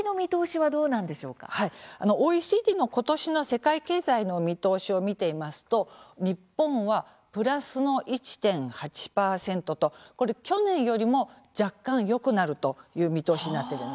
はいＯＥＣＤの今年の世界経済の見通しを見てみますと日本はプラスの１．８％とこれ去年よりも若干よくなるという見通しになっているんですね。